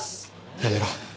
やめろ。